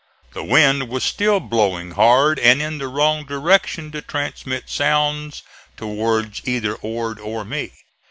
The wind was still blowing hard and in the wrong direction to transmit sounds towards either Ord or me.